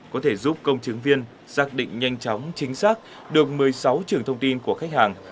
có thể giúp công chứng viên xác định nhanh chóng chính xác được một mươi sáu trường thông tin của khách hàng